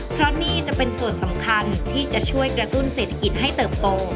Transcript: เพราะนี่จะเป็นส่วนสำคัญที่จะช่วยกระตุ้นเศรษฐกิจให้เติบโต